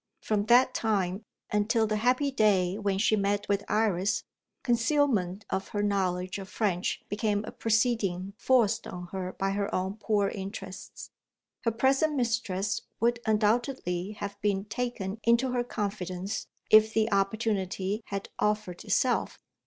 From that time, until the happy day when she met with Iris, concealment of her knowledge of French became a proceeding forced on her by her own poor interests. Her present mistress would undoubtedly have been taken into her confidence, if the opportunity had offered itself.